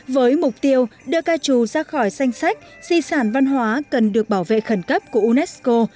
với mục tiêu đưa ca trù ra khỏi danh sách di sản văn hóa cần được bảo vệ khẩn cấp của unesco